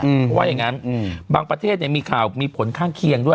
เพราะว่าอย่างงั้นบางประเทศเนี่ยมีข่าวมีผลข้างเคียงด้วย